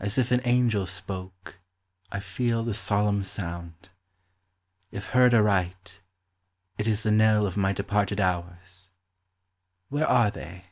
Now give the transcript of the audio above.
As if an angel spoke, I feel the. solemn sound. If heard aright, It is the knell of my departed hours ; Where are they